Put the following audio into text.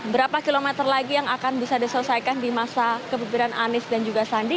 berapa kilometer lagi yang akan bisa diselesaikan di masa kepemimpinan anies dan juga sandi